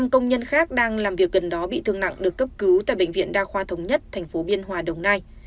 năm công nhân khác đang làm việc gần đó bị thương nặng được cấp cứu tại bệnh viện đa khoa thống nhất tp biên hòa đồng nai